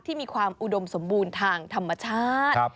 มีความอุดมสมบูรณ์ทางธรรมชาติ